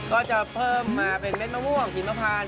ก็จะเพิ่มมาเป็นเม็ดมะม่วงหิมพาน